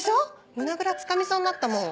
胸ぐらつかみそうになったもん。